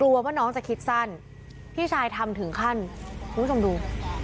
ว่าน้องจะคิดสั้นพี่ชายทำถึงขั้นคุณผู้ชมดู